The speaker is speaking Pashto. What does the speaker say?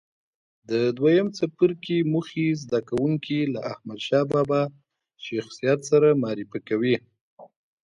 د دویم څپرکي موخې زده کوونکي له احمدشاه بابا شخصیت سره معرفي کوي.